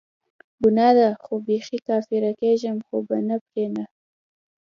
ګناه ده خو بیخي کافره کیږم خو به پری نه